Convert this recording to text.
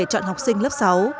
học sinh lớp sáu